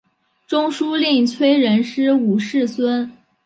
中书令崔仁师五世孙。